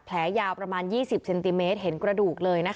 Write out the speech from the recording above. แผลยาวประมาณ๒๐เซนติเมตรเห็นกระดูกเลยนะคะ